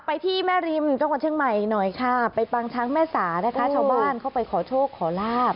ที่แม่ริมจังหวัดเชียงใหม่หน่อยค่ะไปปางช้างแม่สานะคะชาวบ้านเข้าไปขอโชคขอลาบ